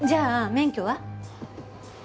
免許は？